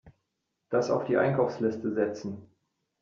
Das auf die Einkaufsliste setzen.